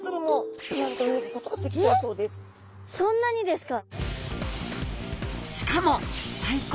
そんなにですか！